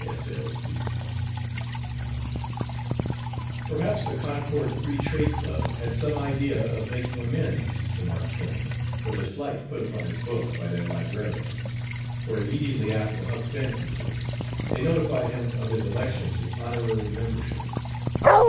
S. L. C. Perhaps the Concord Free Trade Club had some idea of making amends to Mark Twain for the slight put upon his book by their librarians, for immediately after the Huck Finn incident they notified him of his election to honorary membership.